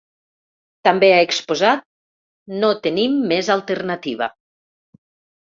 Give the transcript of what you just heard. També ha exposat: No tenim més alternativa.